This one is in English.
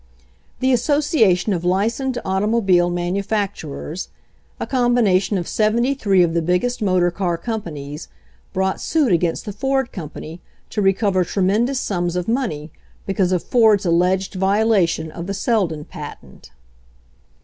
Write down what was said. The Association of Licensed Automobile Man ufacturers, a combination of seventy three of the biggest motor car companies, brought suit against the Ford company to recover tremendous sums of money because of Ford's alleged violation of the Seldon patent.